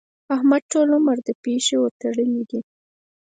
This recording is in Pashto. احمد ټول عمر د پيشي ورتړلې دي.